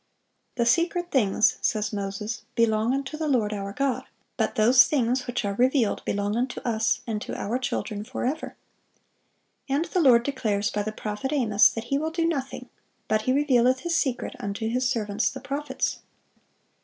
"The secret things," says Moses, "belong unto the Lord our God: but those things which are revealed belong unto us and to our children forever;"(531) and the Lord declares by the prophet Amos, that He "will do nothing, but He revealeth His secret unto His servants the prophets."